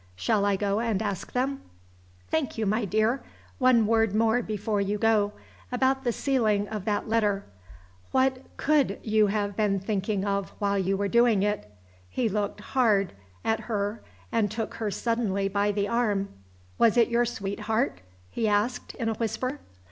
Shall I go and ask them?" "Thank you, my dear. One word more before you go. About the sealing of that letter? What could you have been thinking of while you were doing it?" He looked hard at her, and took her suddenly by the arm. "Was it your sweetheart?" he asked, in a whisper.